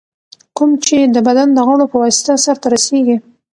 کوم چي د بدن د غړو په واسطه سرته رسېږي.